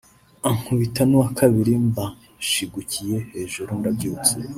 ankubita n’uwa kabiri mba nshigukiye hejuru ndabyutse